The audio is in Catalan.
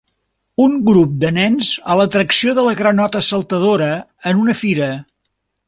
Un grup de nens a l'atracció de la granota saltadora en una fira.